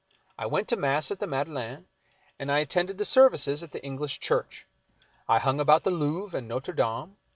I went to mass at the Madeleine, and I attended the services at the English Church. I hung about the Louvre and Notre Dame.